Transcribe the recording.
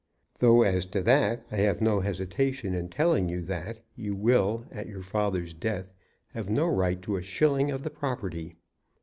"Though as to that I have no hesitation in telling you that, you will at your father's death have no right to a shilling of the property."